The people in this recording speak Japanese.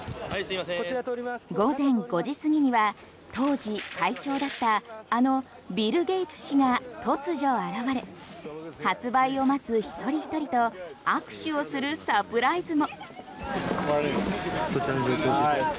午前５時過ぎには当時、会長だったビル・ゲイツ氏が突如現れ発売を待つ１人１人と握手をするサプライズも。